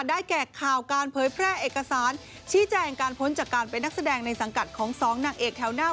แก่ข่าวการเผยแพร่เอกสารชี้แจงการพ้นจากการเป็นนักแสดงในสังกัดของสองนางเอกแถวหน้า